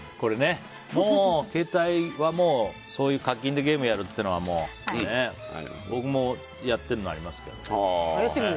もう携帯はそういう課金でゲームをやるっていうのは僕もやっているのありますが。